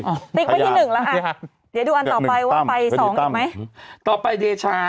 ติ๊กไปที่๑แล้วอ่ะเดี๋ยวดูอันต่อไปไปที่๒อีกมั้ย